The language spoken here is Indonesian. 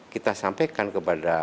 kita sampaikan kepada